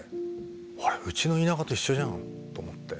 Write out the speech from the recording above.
あれうちの田舎と一緒じゃんと思って。